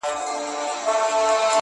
د تکراري حُسن چيرمني هر ساعت نوې یې.